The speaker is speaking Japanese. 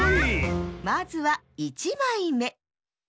まずは１まいめ！